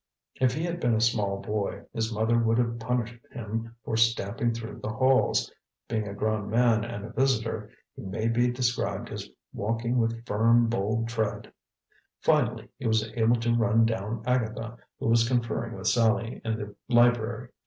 If he had been a small boy, his mother would have punished him for stamping through the halls; being a grown man and a visitor, he may be described as walking with firm, bold tread. Finally he was able to run down Agatha, who was conferring with Sallie in the library.